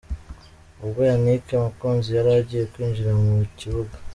Ubwo Yannick Mukunzi yari agiye kwinjira mun kibuga .